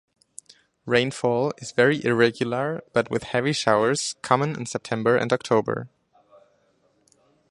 Rainfall is very irregular but with heavy showers common in September and October.